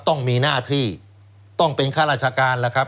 ต้องมีหน้าที่ต้องเป็นข้าราชการล่ะครับ